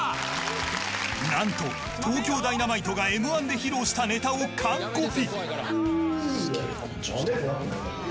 なんと、東京ダイナマイトがＭ‐１で披露したネタを完コピ。